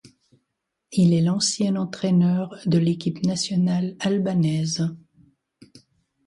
Il est l'ancien entraîneur de l'équipe nationale albanaise.